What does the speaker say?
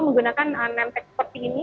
menggunakan nemtek seperti ini